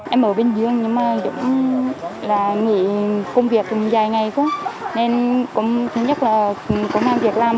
em ở bình dương nhưng mà cũng là nghỉ công việc dài ngày quá nên cũng nhất là công việc làm